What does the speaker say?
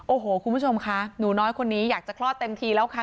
โอ้โหคุณผู้ชมค่ะหนูน้อยคนนี้อยากจะคลอดเต็มทีแล้วค่ะ